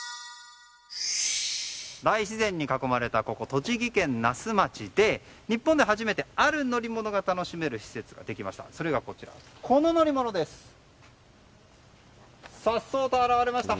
大自然に囲まれたここ栃木県那須町で日本で初めて、ある乗り物が楽しめる施設ができました。